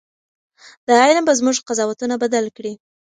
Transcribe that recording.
دا علم به زموږ قضاوتونه بدل کړي.